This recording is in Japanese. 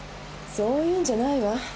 そういうんじゃないわ。